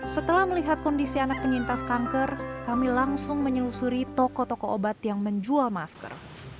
setelah melihat kondisi anak penyintas kanker kami langsung menyelusuri toko toko obat yang menjual masker